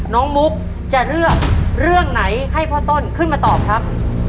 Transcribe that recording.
มุกจะเลือกเรื่องไหนให้พ่อต้นขึ้นมาตอบครับ